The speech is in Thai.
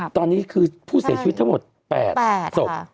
แล้วตอนนี้คือผู้เสียชีวิตทั้งหมด๘ออสม